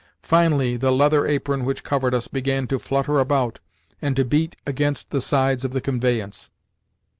Finally, the leather apron which covered us began to flutter about and to beat against the sides of the conveyance.